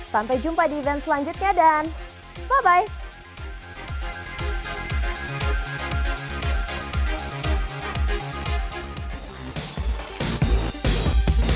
sampai jumpa di event selanjutnya dan by bye